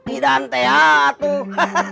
idaan teh atuh